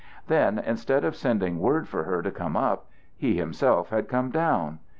Then instead of sending word for her to come up, he himself had come down.